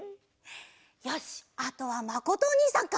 よしあとはまことおにいさんか。